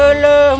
mending lupa aden